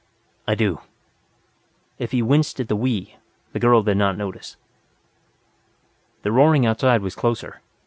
"I do." If he winced at the "we" the girl did not notice. The roaring outside was closer.